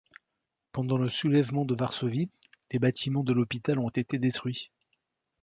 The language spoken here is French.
Pendant le soulèvement de Varsovie, les bâtiments de l’hôpital ont été détruits.